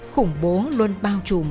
khủng bố luôn bao trùm